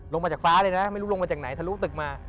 ลงมาจากฟ้าเลยนะไม่รู้ลงมาจากไหนทะลุตึกมา